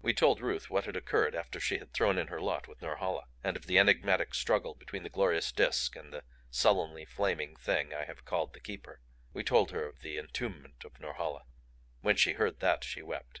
We told Ruth what had occurred after she had thrown in her lot with Norhala; and of the enigmatic struggle between the glorious Disk and the sullenly flaming Thing I have called the Keeper. We told her of the entombment of Norhala. When she heard that she wept.